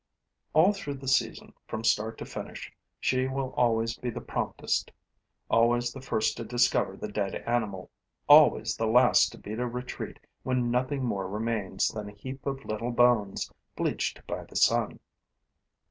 All through the season, from start to finish, she will always be the promptest, always the first to discover the dead animal, always the last to beat a retreat when nothing more remains than a heap of little bones bleached by the sun.